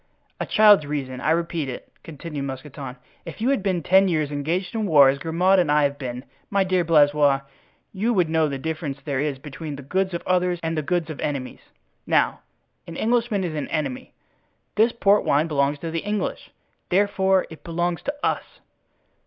"A child's reason—I repeat it," continued Mousqueton. "If you had been ten years engaged in war, as Grimaud and I have been, my dear Blaisois, you would know the difference there is between the goods of others and the goods of enemies. Now an Englishman is an enemy; this port wine belongs to the English, therefore it belongs to us."